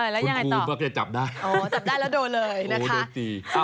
แล้วยังไงต่อจับได้แล้วโดนเลยนะคะคุณกูเหมือนกัดจะจับได้